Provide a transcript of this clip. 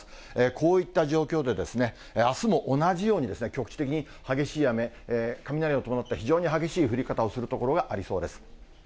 こういった状況でですね、あすも同じように局地的に激しい雨、雷を伴って非常に激しい降り方をする所がありそうです。